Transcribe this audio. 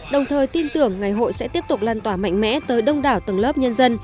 đồng thời tin tưởng ngày hội sẽ tiếp tục lan tỏa mạnh mẽ tới đông đảo tầng lớp nhân dân